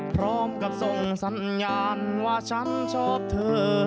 พร้อมกับส่งสัญญาณว่าฉันชอบเธอ